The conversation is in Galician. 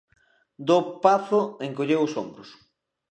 Dopazo encolleu os ombros.